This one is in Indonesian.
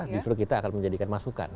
justru kita akan menjadikan masukan